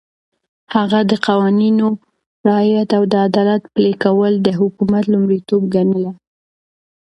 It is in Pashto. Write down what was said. هغه د قوانينو رعایت او د عدالت پلي کول د حکومت لومړيتوب ګڼله.